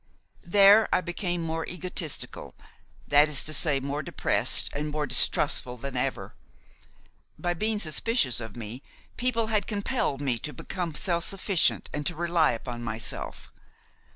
There I became more egotistical, that is to say more depressed and more distrustful than ever. By being suspicious of me, people had compelled me to become self sufficient and to rely upon myself.